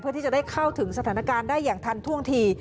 เพื่อที่จะได้เข้าถึงสถานการณ์ได้อย่างทันท่วงที